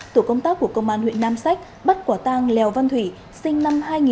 tổ công tác của công an huyện nam sách bắt quả tang lèo văn thủy sinh năm hai nghìn